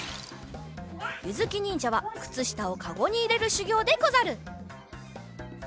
ゆづきにんじゃはくつしたをかごにいれるしゅぎょうでござる。